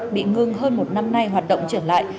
bị ngưng hơn một năm nay hoạt động trở lại